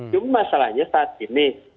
cuma masalahnya saat ini